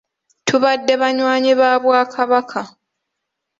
Tubadde banywanyi ba Bwakabaka.